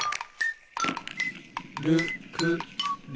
「る」「く」「る」。